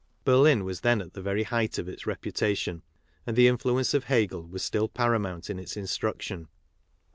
Berlin was then at the very height of its reputation ; and the influence of Hegel was still para mount in its instruction.